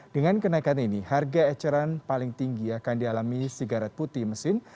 dengan kenaikan ini harga eceran paling tinggi akan dialami sigaret putih mesin